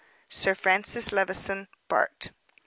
"SIR FRANCIS LEVISON, Bart."